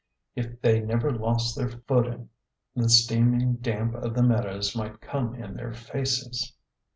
If they never lost their footing, the steaming damp of the meadows might come in their faces.